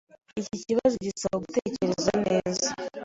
Iki kibazo gisaba gutekereza neza.